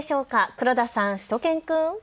黒田さん、しゅと犬くん。